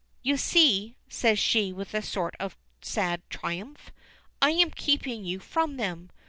"You see," says she, with a sort of sad triumph, "I am keeping you from them.